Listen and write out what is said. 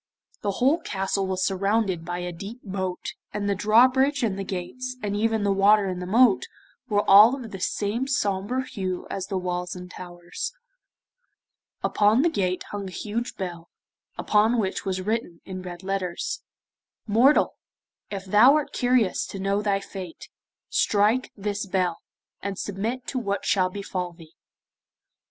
The whole castle was surrounded by a deep moat, and the drawbridge and the gates, and even the water in the moat, were all of the same sombre hue as the walls and towers. Upon the gate hung a huge bell, upon which was written in red letters: 'Mortal, if thou art curious to know thy fate, strike this bell, and submit to what shall befall thee.